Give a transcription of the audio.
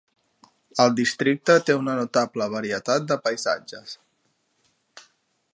El districte té una notable varietat de paisatges.